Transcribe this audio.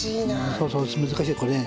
そうそう難しいこれね。